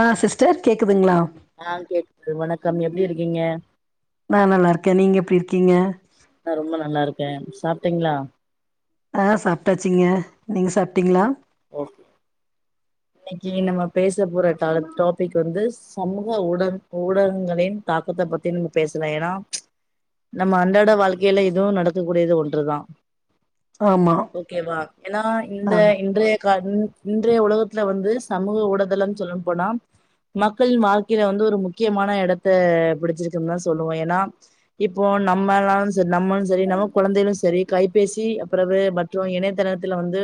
ஆ sister கேக்குதுங்ளா ஆ கேக்குது வணக்கம் எப்டி இருக்கீங்க நா நல்லார்க்கே நீங்க எப்டி இருக்கீங்க நா ரொம்ப நல்லார்க்கே சாப்ட்டீங்ளா ஆ சாப்ட்டாச்சிங்க நீங்க சாப்ட்டீங்ளா ஓகே இன்னிக்கி நம்ம பேச போற தலைப் டாப்பிக் வந்து சமூக ஊடங் ஊடகங்களின் தாக்கத்த பத்தி நம்ம பேசலா ஏனா நம்ம அன்றாட வாழ்க்கைல இதுவு நடக்கக் கூடியது ஒன்றுதா ஆமா ஓகேவா ஏனா இந்த ஆமா இன்றைய கா இன் இன்றைய உலக த்துல வந்து சமூக ஊடதளம்னு சொல்ணு போனா மக்களின் வாழ்க்கைல வந்து ஒரு முக்கியமான எடத்த பிடிச்சிருக்குன் தா சொல்லுவோ ஏனா இப்போ நம்மள்னாலு செரி நம்மளு செரி நம்ம கொழந்தைகளு செரி கைப்பேசி அப்பற வே மற்று இணையதளத்துல வந்து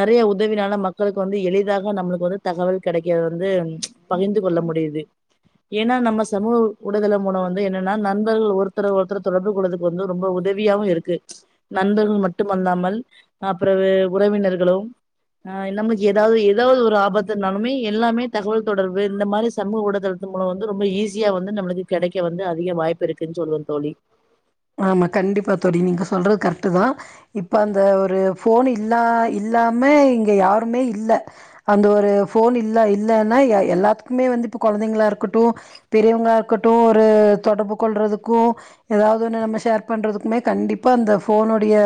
நெறைய உதவினால நம் மக்கள்க்கு வந்து எளி தாக நம்மளுக்கு வந்து தகவல் கெடைக்கற்த் வந்து பகிர்ந்து கொள்ள முடியிது ஏனா நம்ம சமூக ஊடதள மூலம் வந்து என்னனா நண்பர்கள் ஒருத்தர ஒருத்தர் தொடர்பு கொள்வதற் கு வந்து ரொம்ப உதவியாவு இருக்கு நண்பர்கள் மட்டுமல்லாமல் ஆ பிறகு உறவினர்களும் ஆ நம்ளுக்கு எதாவ்து ஒரு எதாவ்து ஒரு ஆபத்துனாலுமே எல்லாமே தகவல் தொடர்பு இந்த மாரி சமூக ஊடதளத்தின் மூலம் வந்து ரொம்ப ஈஸியா வந்து நம்ளுக்கு கெடைக்க வந்து அதிக வாய்ப்பு இருக்குன் சொல்லு தோழி ஆமா கண்டிப்பா தொழி நீங்க சொல்றது கரெக்டு தா இப்ப அந்த ஒரு ஃபோன் இல்லா இல்லாம இங்க யாருமே இல்ல அந்த ஒரு ஃபோன் இல்ல இல்லன்னா எ எல்லாத்துக்குமே வந்து இப்போ கொழந்தைங்களா இருக்கட்டு பெரியவங்களா இருக்கட்டு ஒரு தொடர்பு கொள்றதுக்கு ஏதா அதுன்னு நம்ம ஷர் பண்றதுக்குமே கண்டிப்பாக அந்த ஃபோனுடைய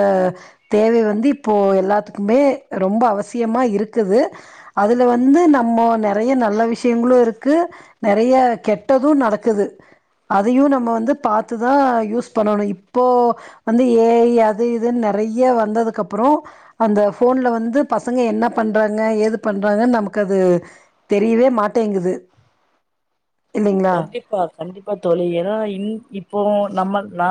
தேவை வந்து இப்போ எல்லாத்துக்குமே ரொம்ப அவசியமா இருக்குது அதுல வந்து நம்ம நெறைய நல்ல விஷயங்களு இருக்கு நறைய கெட்டது நடக்குது அதையு நம்ம வந்து பாத்து தா யூஸ் பண்ணணு இப்போ வந்து ஏ ஐ அது இதுன் நறைய வந்ததுக்கு அப்புறோ அந்த ஃபோன்ல வந்து பசங்க என்ன பண்றாங்க ஏது பண்றாங்கன் நமக்கு அது தெரியவே மாட்டேங்குது இல்லைங்களா கண்டிப்பா கண்டிப்பா தோழி ஏனா இல் இப்போ நம்ம நா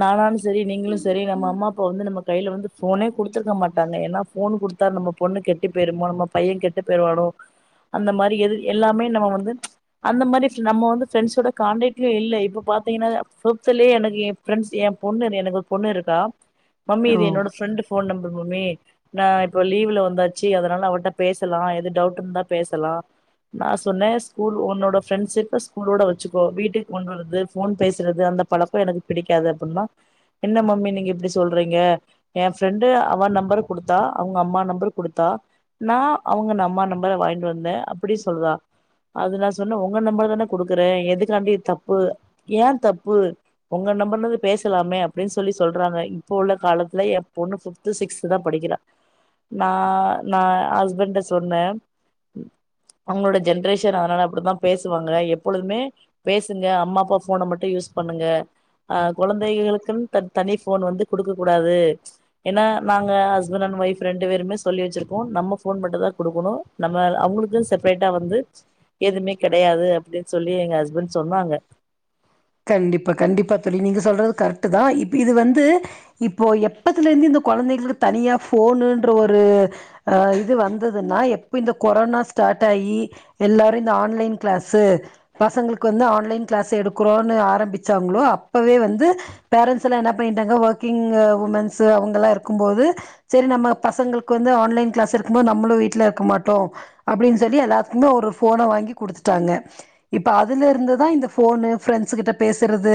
நானாலு சரி நீங்களு சரி நம்ம அம்மா அப்பா வந்து நம்ம கைல வந்து ஃபோனே குடுத்துருக்க மாட்டாங்க ஏன்னா ஃபோன் குடுத் த்தா நம்ம பொண்ணு கெட்டு பேருமோ நம்ம பைய கெட்டு பேருவானோ அந்த மாரி எது எல்லாமே நம்ம வந்து அந்த மாரி நம்ம வந்து பிரெண்ட்ஸோட காண்டேக்லே இல்ல இப்ப பாத்தீங்கன்னா ப்ரோபைலே எனக்கு எ ஃப்ரெண்டஸ் எ பொண்ணு எனக்கு பொண்ணு இருக்கா மம்மி ஓ இது என்னோட ஃப்ரெண்டு ஃபோன் நம்பர் மம்மி ந இப்ப லீவு்ல வந்தாச்சு அதனால அவட்ட பேசலா எது டவுட் இருந்தா பேசலா நா சொன்ன ஸ்கூல் உன்னோட ஃப்ரெண்ஷிப் ஸ்கூலோட வச்சுக்கோ வீட்டுக்கு கொண்டு வறது போன் பேசுறது அந்த பழக்கோ எனக்கு பிடிக்காது அப்டின்னா என்ன மம்மி நீங்க இப்டி சொல்றீங்க எ ஃப்ரெண்டு அவா நம்பர் குடுத்தா அவங்க அம்மா நம்பர் குடுத்தா நா அவங்க அம்மா நம்பர வாங்கிட்டு வந்த அப்படி சொல்றா அது நா சொன்ன உங்க நம்ம்பர் தான குடுக்குற எதுக்காண்டி இது தப்பு ஏ தப்பு ஒங்க நம்பர்லந்து பேசலாமே அப்டின் சொல்லி சொல்றாங்க இப்ப உள்ள காலத்துல எ பொண்ணு சுத் த்து சிக்ஸ்த்து தா படிக்கிறா நா நா ஹஸ்பண்ட சொன்ன அவங்களோட ஜென்ரேஷன் அதனால அப்டித்தா பேசுவாங்க எப்பொழுதுமே பேசுங்க அம்மா அப்பா ஃபோன மட்டு யூஸ் பண்ணுங்க அ கொழந்தைகளுக்குன் த தனி ஃபோன் வந்து குடுக்க கூடாது ஏன்னா நாங்க ஹஸ்பண்ட் அண்ட் ஒய்ப் ரெண்டு பேருமே சொல்லி வச்சிருக்கோ நம்ம ஃபோன் மட்டு தா குடுக்கணு நம்ம அவங்களுக்கு செப்ரேட்டா வந்து எதுமே கெடையாது அப்டின்னு சொல்லி எங்க ஹஸ்பண்ட் சொன்னாங்க கண்டிப்பா கண்டிப்பா தோழி நீங்கள் சொல்றது கரெக்டு தா இப்போ இது வந்து இப்போ எப்பத்துல இருந்து இந்த கொழந்தைகளுக்கு தனியா ஃபோனுன்ற ஒரு அ இது வந்ததுன்னா எப்ப இந்த கொரோனா ஸ்டார்ட் ஆகி எல்லாரு இந்த ஆன்லைன் க்ளசு எடுக் பசங்களுக்கு வந்து ஆன்லைன் க்ளசு எடுக் குறோன்னு ஆரம்பிச்சாங்ளோ அப்பவே வந்து பேரன்ட்ஸ்ல்லா என்ன பண்ணிட்டாங்க ஒர்க்கிங் உமன்ஸ் அவங்கல்லா இருக்கும் போது சரி நம்ம பசங்களுக்கு வந்து ஆன்லைன் க்ளஸ் இருக்கும் போது நம்மளு வீட்ல இருக்க மாட்டோ அப்டின்னு சொல்லி எல்லாத்துக்குமே ஒரு போனை வாங்கி குடுத்துட்டாங்க இப்ப அதுல இருந்துதா இந்த ஃபோனு ஃப்ரெண்ட்ஸ கிட்ட பேசுறது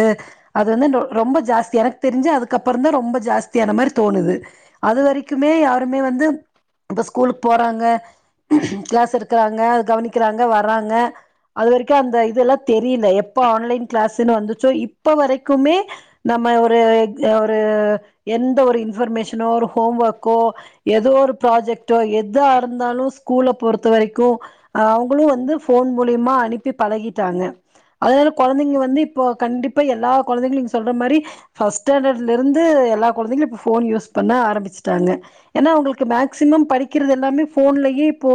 அது வந்து ரொம்ப ஜாஸ்தி எனக்கு தெரிஞ்சு அதுக்குப்புறோ தா ரொம்ப ஜாஸ்தியான மாரி தோணுது அது வரைக்குமே யாருமே வந்து இப்ப ஸ்கூலுக்கு போறாங்க கிளாஸ் எடுக்கறாங்க அத கவனிக்கிறாங்க வர்றாங்க அது வரைக்கும் அந்த இதெல்லாம் தெரியல எப்ப ஆன்லைன் கிளாஸ்ன்னு வந்துச்சோ இப்ப வரைக்குமே நம்ம ஒரு ஒரு எந்த ஒரு இன்ஃபர்மேஷனோ ஒரு ஹோம் ஒர்க்கோ ஏதோ ஒரு ப்ராஜெக்ட்டோ எதா இருந்தாலும் ஸ்கூல்ல பொறுத்த வரைக்கும் அவங்களும் வந்து ஃபோன் மூலியமா அனுப்பி பழகிட்டாங்க அதனால கொழ ந்தைங்க வந்து இப்போ கண்டிப்பா எல்லா கொழந்தைகளும் நீங்க சொல்ற மாரி ஃபஸ்ட் ஸ்டாண்டர்ட்ல இருந்து எல்லா கொழந்தைகளும் இப்ப ஃபோன் யூஸ் பண்ண ஆரம்புச்சுட்டாங்க ஏன்னா அவங்களுக்கு மேக்சிமம் படிக்கிறது எல்லாமே ஃபோன்லயே இப்போ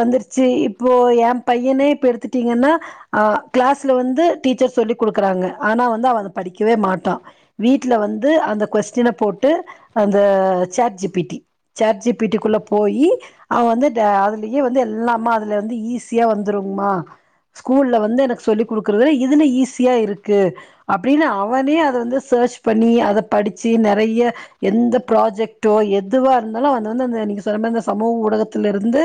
வந்துருச்சு இப்போ என் பையனே இப்ப எடுத்துட்டீங்கன்னா அஹ கிளாஸ்ல வந்து டீச்சர் சொல்லி கொடுக்குறாங்க ஆனா வந்து அவ அத படிக்கவே மாட்டான் வீட்ல வந்து அந்த கொஸ்டின போட்டு அந்த chat G P T chat G P T குள்ள போயி அவன் வந்து இந்தஜஅதுலயே வந்து எல்லாம அதுல வந்து ஈஸியா வந்துருங்மா ஸ்கூல்ல வந்து எனக்கு சொல்லி் கொடுக்குறதுல இதுன்னு ஈஸியா இருக்கு அப்டின்னு அவனே அத வந்து சர்ச் பண்ணி அத படிச்சு நறைய எந்த ப்ராஜெக்டோ எதுவா இருந்தாலும் வந்து வந்து அந்த இன்னைக்கு சொன்ன மாரி இந்தந்த சமூக ஊடகத்துல இருந்து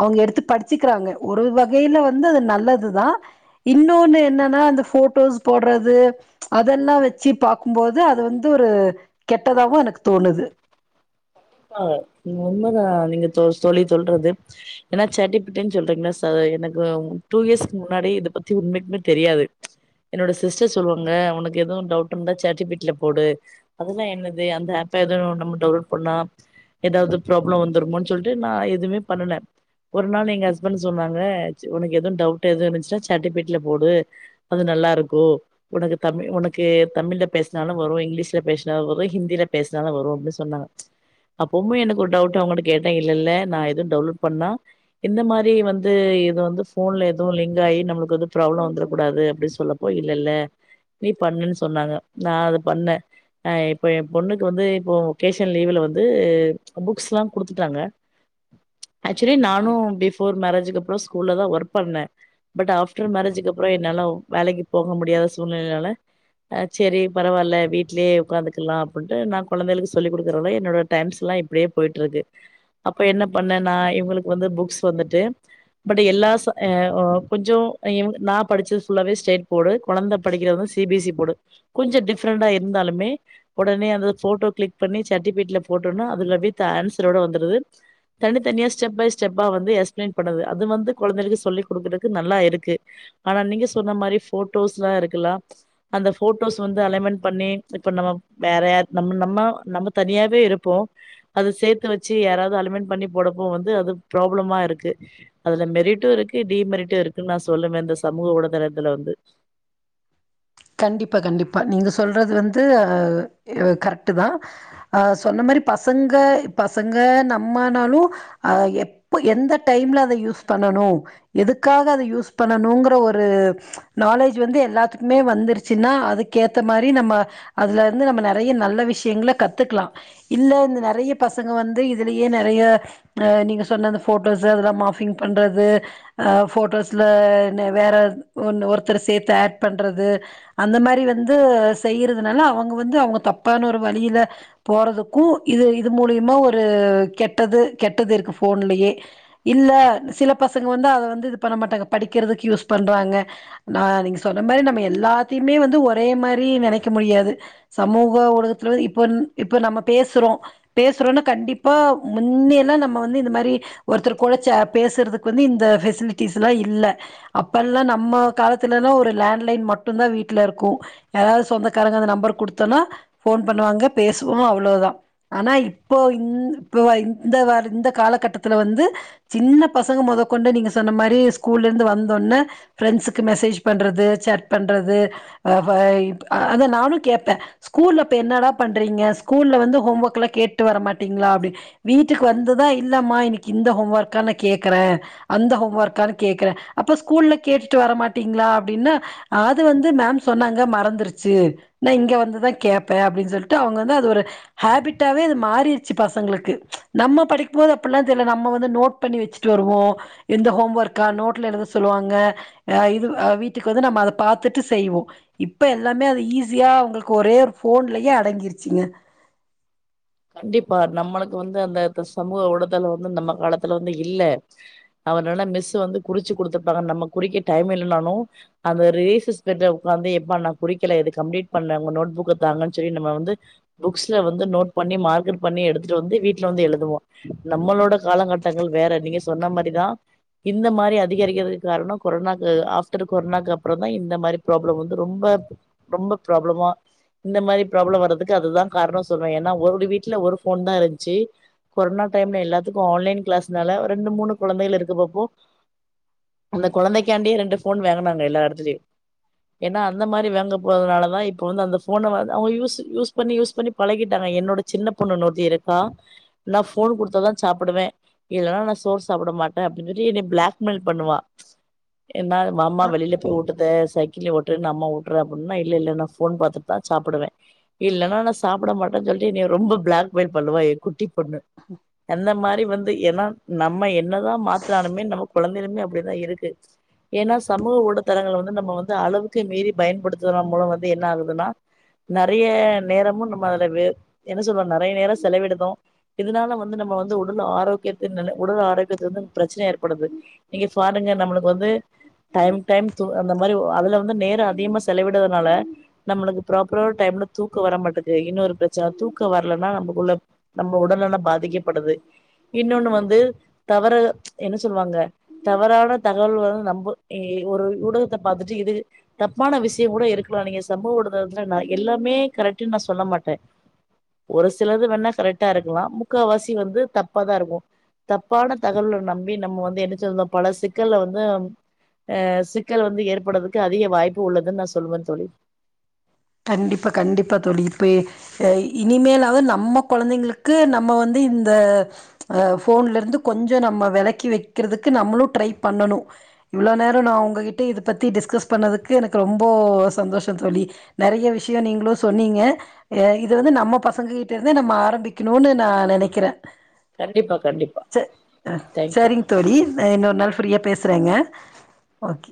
அவுங்க எடுத்து படிச்சுக்கிறாங்க ஒரு வகையில வந்து அது நல்லதுதான் இன்னொன்னு என்ன ன்னா அந்த போட்டோஸ் போடுறது அதெல்லாம் வச்சு பாக்கும்போது அது வந்து ஒரு கெட்டதாவும் எனக்கு தோணுது ஆ உண்மதான் நீங்க தோ தோழி சொல்றது ஏன்னா சாட்டீபிட்டீனு சொல்றீங்ளா சா எனக்கு டூ இயர்ஸ் முன்னாடி இத பத்தி உண்மைக்குமே தெரியாது என்னோட சிஸ்டர் சொல்லுவாங்க உனக்கு எதுவும் டவுட் இருந்தா சாட் ஜி பீ டி ல போடு அதெல்லாம் என்னது அந்த ஆப்ப எதுவும் நம்ம டவுன்லோட் பண்ணா ஏதாவது ப்ராப்ளம் வந்துருமோன்னு சொல்லிட்டு நா எதுவுமே பண்ணலேன் ஒரு நாள் எங்க ஹஸ்பண்ட் சொன்னாங்க உனக்கு எதுவும் டவுட் எதுச்சுன்னா சாட் ஜி பிட்ல போடு அது நல்லா இருக்கும் உனக்கு தமிழ் உனக்கு தமிழ்ல பேசுனாலும் வரும் இங்கிலீஷ்ல பேசுனாலும் வரும் ஹிந்தியில பேசுனாலும் வரும் அப்டின்னு சொன்னாங்க அப்பமு எனக்கு ஒரு டவுட் அவங்கள்ட கேட்டேன் இல்லல்ல நான் எதுவும் டவுன்லோட் பண்ணா இந்த மாரி வந்து இது வந்து ஃபோன்ல எதுவும் லிங்க் ஆகி நம்மளுக்கு எது ப்ராப்ளம் வந்துர கூடாது அப்படின்னு சொல்ல ப்போ இல்லல்ல நீ பண்ணுன் சொன்னாங்க நா அது பண்ணே ஹ இப்போ என் பொண்ணுக் வந்து இப்போ ஒகேஷன் லீவ்ல வந் து புக்ஸ் எல்லாம் கொடுத்துட்டாங்க ஆக்சுவலி நானும் பிஃபோர் மேரேஜ்க்கு அப்புறம் ஸ்கூல்ல தான் ஒர்க் பண்ணேன் பட் ஆஃப்டர் மேரேஜக்கு அப்புறம் என்னால வேலைக்கு போக முடியாத சூழ்நிலையால ஹ சரி பரவாயில்ல வீட்லயே உட்காந்துக்கலாம் அப்படின்ட்டு நான் கொழந்தைகளுக்கு சொல்லி் கொடுக்குறவல என்னோட டைம்ஸ் எல்லாம் இப்டியே போயிட்டு இருக்கு அப்ப என்ன பண்ணே நான் இவங்களுக்கு வந்து புக்ஸ் வந்துட்டு பட் எல்லா ஸ் கொஞ்சம் நான் படிச்சது ஃபுல்லாவே ஸ்டேட் போர்டு கொழந்த படிக்கிறது வந்து C B S C board கொஞ்சம் டிஃப்ரெண்டா இருந்தாலமே உடனே அந்த போட்டோ கிளிக் பண்ணி சாட் ஜி பீடியில போட்டோனா அதுல வித் ஆன்சரோட வந்துருது தனித்தனியா ஸ்டெப் பை ஸ்டெப்பா வந்து எக்ஸ்பளைன் பண்ணது அது வந்து கொழந்தைகளுக்கு சொல்லி கொடுக்குறக்கு நல்லா இருக்கு ஆனா நீங்க சொன்ன மாரி போட்டோஸ் எல்லாம் இருக்கலாம் அந்த போட்டோஸ் வந்து அலைமென்ட் பண்ணி இப்ப நம்ம வேற நம்ம நம்ம நம்ம தனியாவே இருப் ப்போ அது சேத்து வச்சு யாராவது அலிமெண்ட் பண்ணி போடப்போ வந்து அது ப்ராப்ளமா இருக்கு அதுல மெரிட்டு இருக்கு டிமெரிட்டு இருக்குன்னு நான் சொல்லுவே இந்த சமூக ஊடகத்துல வந்து கண்டிப்பாக கண்டிப்பாக நீங்கள் சொல்றது வந்து கரெக்ட்டு தா அ சொன்ன மாரி பசங்க பசங்க நம்மனாலு அ எப்ப எந்த டைம்ல அத யூஸ் பண்ணனு எதுக்காக அத யூஸ் பண்ணணுங்கற ஒரு நாலேஜ் வந்து எல்லாத்துக்குமே வந்து வந்துருச்சின்னா அதுக்கு ஏத்த மாரி நம்ம அதுல இருந்து நம்ம நெறைய நல்ல விஷயங்கல கத்துக்கலா இல்ல இந்த நெறைய பசங்க வந்து இதுலயே நெறைய அ நீங்க சொன்ன அந்த ஃபோட்டோஸ் அதெல்லா மாஃபிங் பண்றது அ ஃபோட்டோஸ்ல வேற ஒன்னு ஒருத்தர சேத்து ஆட் பண்றது அந்த மாரி வந்து செய்யறதுனால அவுங்க வந்து அவேங்க தப்பான ஒரு வழியில போறதுக்கு இது இது மூலியமா ஒரு கெட்டது கெட்டது இருக்கு ஃபோன்லயே இல்ல சில பசங்க வந்து அத வந்து இது பண்ண மாட்டாங்க படிக்கிறதுக்கு யூஸ் பண்ணுறாங்க நா நீங்க சொன்ன மாரி நம்ம எல்லாத்தையுமே வந்து ஒரே மாரி நெனைக்க முடியாது சமூக ஊடகத்துல வந்து இப்ப இப்ப நம்ம பேசுறோ பேசுறோம்னா கண்டிப்பா முன்னியல்லா நம்ம வந்து இந்த மாரி ஒருத்தர் குழச்ச பேசறதுக்கு வந்து இந்த ஃபெசிலிட்டிஸ்லா இல்ல அப்பல்லா நம்ம காலத்து எல்லாம் ஒரு லேண்ட் லைன் மட் மட்டுதா வீட்ல இருக்கு யாராவது சொந்தக்காரங்க அந்த நம்பர் குடுத்தோம்னா ஃபோன் பண்ணுவாங்க பேசுவோ அவ்ளவுதா ஆனா இப்போ இந் இப்ப இந்த இந்த காலகட்டத்துல வந்து சின்ன பசங்க மொத கொண்டு நீங்க சொன்ன மாரி ஸ்கூல்ல இருந்து வந்த ஒட்னே ஃப்ரெண்ட்ஸ்க்கு மெசேஜ் பண்றது சேட் பண்றது அ அத நானு கேட்பே ஸ்கூல்ல அப்ப என்னடா பண்றீங்க ஸ்கூல்ல வந்து ஹோம் ஒர்க்லா கேட்டு வரமாட்டீங்ளா அப்டி வீட்டுக்கு வந்துதா இல்லமா இன்னைக்கி இந்த ஹோம் ஒர்க்கானு கேக்குறே அந்த ஹோம் ஒர்க்கானு கேக்குறே அப்ப ஸ்கூல்ல கேட்டுட்டு வரமாட்டீங்களா அப்டின்னா அது வந்து மேம் சொன்னாங்க மறந்துருச்சி நா இங்க வந்துதா கேப்பே அப்டின்னு சொல்லிட்டு அவுங்க வந்து அது ஒரு ஹேபிட்டாவே அது மாறிருச்சி பசங்களுக்கு நம்ம படிக்கும்போது அப்டில்லா தெர்ல நம்ம வந்து நோட் பண்ணி வெச்சிட்டு வருவோ இந்த ஹோம் ஒர்க்க நோட்ல எழுந்து சொல்லுவாங்க அ இது அ வீட்டுக்கு வந்து நம்ம அத பாத்துட்டு செய்வோ இப்ப எல்லாமே அது ஈஸியா உங்களுக்கு ஒரே ஒரு ஃபோன்லயே அடங்கிருச்சிங்க கண்டிப்பா நம்மளுக்கு வந்து அந்த சமூக ஊடதலோ வந்து நம்ம காலத்துல வந்து இல்ல அதனால மிஸ் வந்து குறிச்சி குடுத்திருப்பாங்க நம்ம குறிக்க டைம் இல்லனானு அந்த ரிலீசஸ் பீரியட்ல ஓக்காந்து எப்ப நா குறிக்கல இது கம்ப்ளீட் பண்ண ஊங்க நோட் புக்க தாங்கன்னு சொல்லி நம்ம வந்து புக்ஸ்ல வந்து நோட் பண்ணி மார்க்கட் பண்ணி எடுத்துட்டு வந்து வீட்ல வந்து எழுதுவோ நம்மளோட காலங்கட்டங்கள் வேற நீங்க சொன்ன மாரிதா இந்த மாரி அதிகரிக்கிறதுக்கு காரணோ கொரோனாக்கு ஆஃப்டர் கொரோனாக்கு அப்றோ தா இந்த மாரி ப்ராப்ளம் வந்து ரொம்ப ரொம்ப ப்ராப்ளமா இந்த மாரி ப்ராப்ளம் வர்றதுக்கு அதுதா காரணோ சொல்வே ஏன்னா ஒருவருட வீட்ல ஒரு ஃபோன் தா இருந்துச்சி கொரோனா டைம்ல எல்லாத்துக்கு ஆன்லைன் கிளாஸ்னால ரெண்டு மூணு கொழந்தைகள் இருக்க பாப்போ அந்த கொழந்தைகாண்டே ரெண்டு. போன் வாங்கினாங்க எல்லா எடத்துலயு ஏன்ன அந்த மாரி வாங்க போறதுனால தா இப்ப வந்து அந்த ஃபோன வந்து அவுங்கய யூஸ் பண்ணி யூஸ் பண்ணி பழகிட்டாங்க என்னோட சின்ன பொண்ணு இன்னொருத்தி இருக்கா நா ஃபோன் குடுத்தாதா சாப்புடுவே இல்லன்னா நா சோர் சாப்ட மாட்டே அப்டின்னு சொல்லி என்ன பிளாக்மெயில் பண்ணுவா என்ன மாம்மா அ வெளியில போய் ஊட்டுதே சைக் இங்க உட்று னம்மா வூட்ற அப்டீன்னா இல்ல இல்ல நா ஃபோன் பாத்துட்டுதா சாப்புடுவே இல்லன்னா நா சாப்புட மாட் டேன் சொல்லி ரொம்ப பிளாக்மெயில் பண்ணுவா ஏ குட்டி பொண்ணு அந்த மாரி வந்து ஏன்னா நம்ம என்னதா மாத்துனாலுமே நம்ம கொழந்தையிலுமே அப்புடிதா இருக்கு ஏன்னா சமூக ஊடத்தளங்கள வந்து நம்ம வந்து அளவுக்கு மீறி பயன்படுத்துனு மூலோ வந்து என்ன ஆகுதுன்னா நறைய நேரமு நம்ம அதுல வே என்ன சொல்றோ நறைய நேரோ செலவிடுதோ இதனால வந்து நம்ம வந்து உடல் ஆரோக்கியத்த உடல் ஆரோக்கியத்துல இருந்து பிரச்சன ஏற்படுது நீங்க ஃபாடுங்க நம்முளுக்கு வந்து டைம் டைம் து அந்த மாரி அதுல வந்து நேரோ அதிகமா செலவிடுறதுனால நம்முளுக்கு ப்ராப்பரா ஒரு டைம்ல தூக்கோ வர மாட்டேக்கு இன்னோரு பிரச்சன தூக்கோ வரலன்னா நமக்குள்ள நம்ம உடல் நலோ பாதிக்கப்படுது இன்னோன்னு வந்து தவற என்ன சொல்லுவாங்க தவறான தகவல் வந்து நம்போ இ ஒரு ஊடகத்த பாத்துட்டு இது தப்பான விஷ்யோ கூட இருக்குலா நீங்க சம்பவோ நடந்த எடத்துல நா எல்லாமே கரெக்டன்னு நா சொல்ல மாட்டே ஒரு சிலது வேண்ணா கரெக்ட்டா இருக்கலா முக்காவாசி வந்து தப்பாதா இருக்கோ தப்பான தகவல்ல நம்பி நம்ம வந்து என்ன சொன்னந்தோ பல சிக்கல்ல வந்து ஆ சிக்கல் வந்து ஏற்படுறக்கு அதிக வாய்ப்பு உள்ளதுன்னு நா சொல்லுவே தோழி கண்டிப்பா கண்டிப்பா தோழி இப்பயே செரி இனிமேலாவது நம்ம கொழந்தைங்களுக்கு நம்ம வந்து இந்த அ ஃபோன்ல இருந்து கொஞ்சோ நம்ம வெளக்கி வெக்கிறதுக்கு நம்மளு ட்ரை பண்ணணோ இவ்வளோ நேரோ நா உங்ககிட்ட இத பத்தி டிஸ்கஸ் பண்ணதுக்கு எனக்கு ரொம்போ சந்தோஷோ தோழி நறைய விஷ்யோ நீங்களு சொன்னீங்க இது வந்து நம்ம பசங்க கிட்ட இருந்தே நம்ம ஆரம்பிக்கணோனு நா நெனைக்கிறே கண்டிப்பா கண்டிப்பா ச அ தேங்க்யூ சரிங் தோழி நா இன்னோரு நாள் ஃப்ரீயா பேசுறேங்க ஓகே